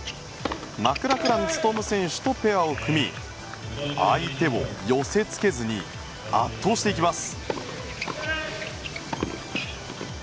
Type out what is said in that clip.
マクラクラン勉選手とペアを組み相手を寄せ付けずに圧倒していきます。